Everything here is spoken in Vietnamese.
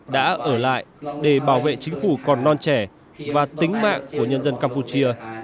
đã ở lại để bảo vệ chính phủ còn non trẻ và tính mạng của nhân dân campuchia